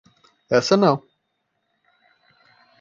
Essa não!